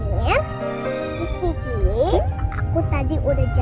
tadi udah janji jari kelinking loh sama aldi